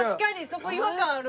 そこ違和感ある。